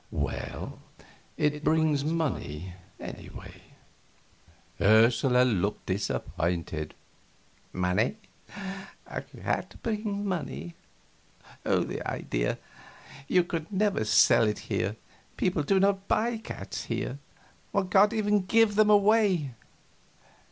"Well, it brings money, anyway." Ursula looked disappointed. "Money? A cat bring money? The idea! You could never sell it here; people do not buy cats here; one can't even give them away."